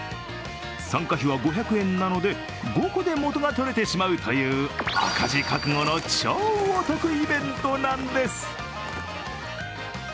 参加費は５００円なので、５個で元が取れてしまうという赤字覚悟の超お得イベントなんです。